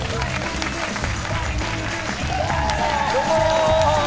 どうも！